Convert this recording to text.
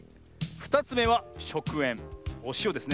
２つめはしょくえんおしおですね。